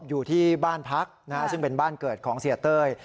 อยู่ที่บ้านพักซึ่งเป็นบ้านเกิดของเสียเต้ย